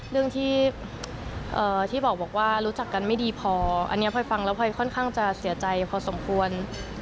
เรื่องที่บอกว่ารู้จักกันไม่ดีพออันนี้พลอยฟังแล้วพลอยค่อนข้างจะเสียใจพอสมควร